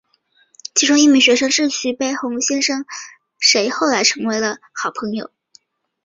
其中一名学生是徐悲鸿先生谁后来成了好朋友。